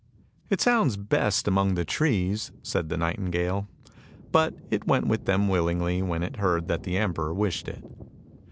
" It sounds best among the trees," said the nightingale, but it went with them willingly when it heard that the emperor wished it.